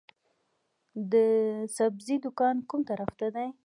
د سبزۍ دکان کوم طرف ته دی؟